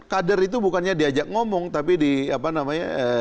kader itu bukannya diajak ngomong tapi di apa namanya